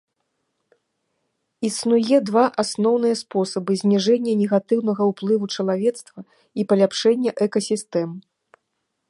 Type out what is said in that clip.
Існуе два асноўныя спосабы зніжэння негатыўнага ўплыву чалавецтва і паляпшэння экасістэм.